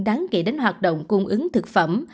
đáng kể đến hoạt động cung ứng thực phẩm